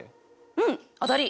うん当たり！